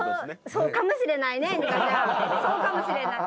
そうかもしれない。